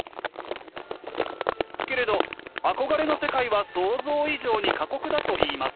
けれど憧れの世界は想像以上に過酷だといいます。